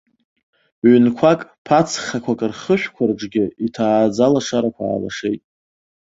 Ҩнқәак, ԥацхақәак рхышәқәа рҿгьы иҭааӡа алашарақәа аалашеит.